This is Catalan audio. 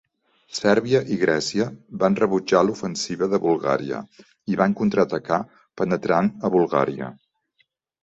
Sèrbia i Grècia van rebutjar l'ofensiva de Bulgària i van contraatacar penetrant a Bulgària.